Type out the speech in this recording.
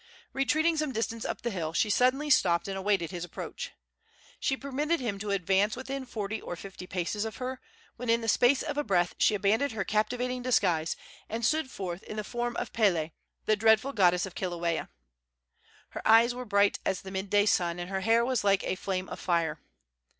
Retreating some distance up the hill, she suddenly stopped and awaited his approach. She permitted him to advance within forty or fifty paces of her, when in the space of a breath she abandoned her captivating disguise and stood forth in the form of Pele, the dreadful goddess of Kilauea. Her eyes were bright as the midday sun, and her hair was like a flame of fire.